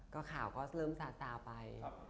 ก็ข่าวก็เริ่มซาซาไป